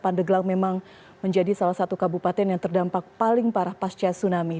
pandeglang memang menjadi salah satu kabupaten yang terdampak paling parah pasca tsunami